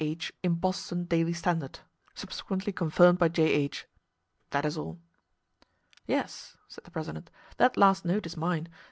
H. in Boston 'Daily Standard.' Subsequently confirmed by J.H. That is all." "Yes," said the president, "that last note is mine.